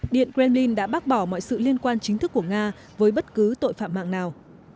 điện kremlin đã bác bỏ mọi sự liên quan chính thức của nga với bất cứ tội phạm mạng nào